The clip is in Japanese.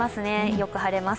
よく晴れます。